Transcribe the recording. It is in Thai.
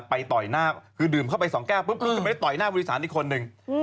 ต่อยหน้าคือดื่มเข้าไปสองแก้วปุ๊บจะไปต่อยหน้าบริษัทอีกคนนึง